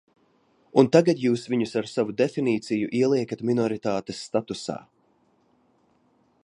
Un tagad jūs viņus ar savu definīciju ieliekat minoritātes statusā.